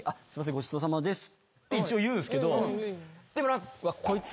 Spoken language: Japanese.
ごちそうさまですって一応言うんすけどでも。